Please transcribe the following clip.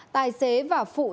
tài xế và phụ xe